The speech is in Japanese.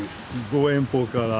ご遠方から。